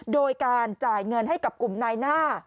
โดยการจ่ายเงินให้กับกลุ่มนายหน้า